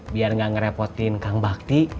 biar gak ngerepotin kang bakti